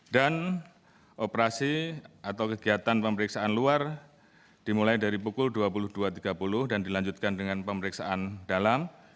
dan operasi atau kegiatan pemeriksaan luar dimulai dari pukul dua puluh dua tiga puluh dan dilanjutkan dengan pemeriksaan dalam